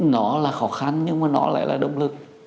nó là khó khăn nhưng mà nó lại là động lực